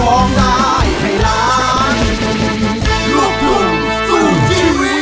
ออกมาได้